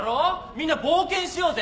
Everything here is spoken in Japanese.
みんな冒険しようぜ。